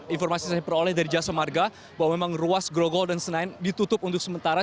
informasi saya peroleh dari jasa marga bahwa memang ruas grogol dan senayan ditutup untuk sementara